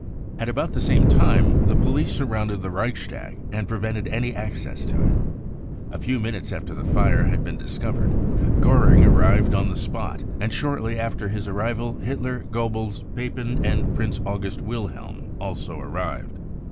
At about the same time, the police surrounded the Reichstag and prevented any access to it, A few minutes after the fire had been dis covered Goering arrived on the spot, and shortly after his arrival Hitler, Goebbels, Papen and Prince August Wil helm also arrived.